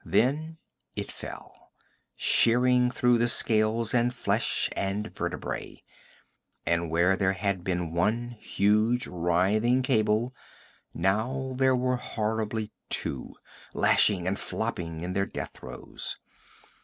Then it fell, shearing through the scales and flesh and vertebrae. And where there had been one huge writhing cable, now there were horribly two, lashing and flopping in the death throes.